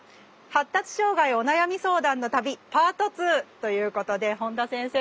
「“発達障害”お悩み相談の旅パート２」ということで本田先生